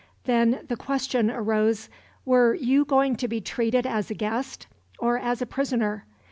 Then the question arose, were you to be treated as a guest or as a prisoner?